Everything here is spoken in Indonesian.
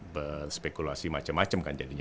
berspekulasi macam macam kan jadinya